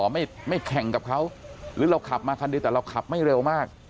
ไม่แข่งกับเขาหรือเราขับมาคันเดียวแต่เราขับไม่เร็วมาก